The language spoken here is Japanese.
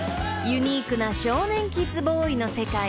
［ユニークな少年キッズボウイの世界。